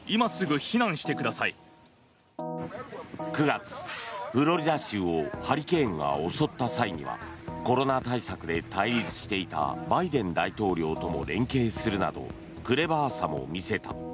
９月、フロリダ州をハリケーンが襲った際にはコロナ対策で対立していたバイデン大統領とも連携するなどクレバーさも見せた。